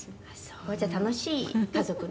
「それじゃ楽しい家族ね」